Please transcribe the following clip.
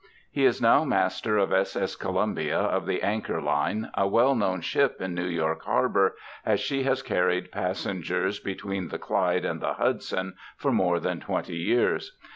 He is now master of S.S. Columbia of the Anchor Line, a well known ship in New York Harbor, as she has carried passengers between the Clyde and the Hudson for more than twenty years.